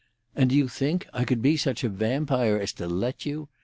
"And do you think I could be such a vampire as to let you?